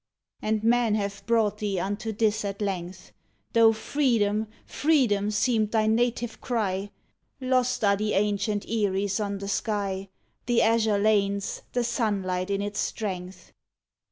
And men have brought thee unto this at length, Tho "Freedom! freedom!" seemed thy native cry, Lost are the ancient eyries on the sky, The azure lanes, the sunlight in its strength.